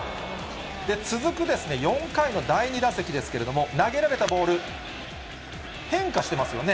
続く４回の第２打席ですけれども、投げられたボール、変化してますよね。